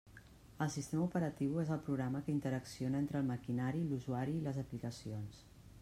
El sistema operatiu és el programa que interacciona entre el maquinari, l'usuari i les aplicacions.